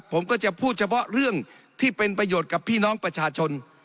ผมก็จะพูดเฉพาะเรื่องที่เป็นประโยชน์กับพี่น้องประชาชน